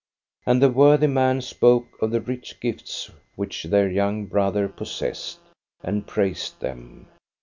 And the worthy man spoke of the rich gifts which their young brother possessed, and praised them.